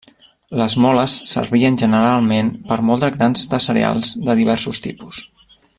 Les moles servien generalment per moldre grans de cereals de diversos tipus.